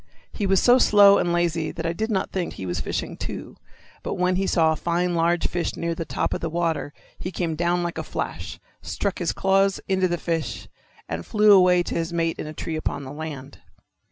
He was so slow and lazy that I did not think he was fishing too. But when he saw a fine large fish near the top of the water he came down like a flash, struck his claws into the fish, and flew away to his mate in a tree upon the land.